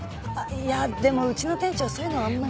いやでもうちの店長そういうのあんまり。